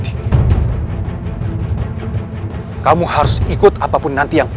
dia harus ikut water